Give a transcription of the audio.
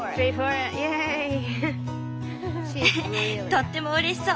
ウフとってもうれしそう。